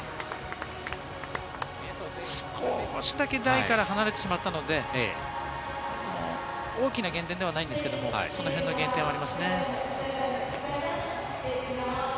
少しだけ台から離れてしまったので、大きな減点ではないんですけれども、そのへんの原点はありますね。